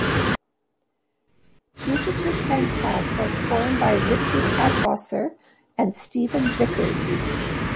Jupiter Cantab was formed by Richard Altwasser and Steven Vickers.